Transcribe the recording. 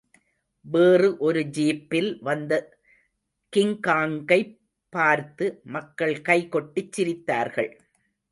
வேறு ஒரு ஜீப்பில் வந்த கிங்காங்கைப் பார்த்து மக்கள் கை கொட்டிச் சிரித்தார்கள்.